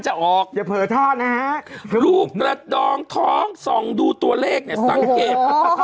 จะออกอย่าเผลอท่อนะฮะรูปกระดองท้องส่องดูตัวเลขเนี่ยสังเกต